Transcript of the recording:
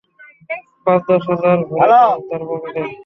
পাঁচ দশ হাজার ভরে দাও তার পকেটে।